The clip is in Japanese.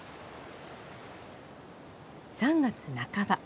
３月半ば。